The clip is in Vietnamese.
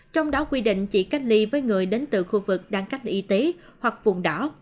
trong đó quy định chỉ cách ly với người đến từ khu vực đang cách ly y tế hoặc vùng đỏ